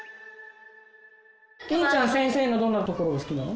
みゆちゃん先生のどんなところが好きなの？